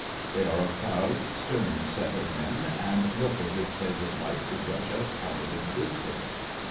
They are a proud, stern set of men and look as if they would like to brush us out of existence.